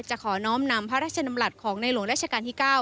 ขอน้อมนำพระราชดำรัฐของในหลวงราชการที่๙